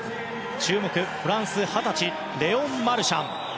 注目、フランス、二十歳レオン・マルシャン。